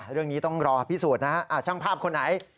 เรื่องนี้ต้องรอพิสูจน์นะฮะช่างภาพคนไหน